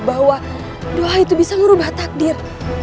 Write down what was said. bahwa doa itu bisa merubah takdir